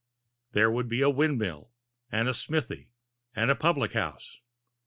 There would be the windmill, and the smithy, and the public house.